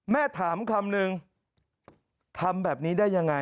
แม่ถามคำนึงทำแบบนี้ได้ยังไง